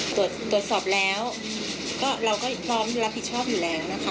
ตรวจสอบแล้วก็เราก็พร้อมรับผิดชอบอยู่แล้วนะคะ